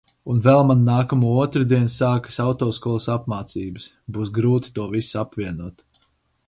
Un vēl man nākamo otrdienu sākas autoskolas apmācības. Būs grūti to visu apvienot.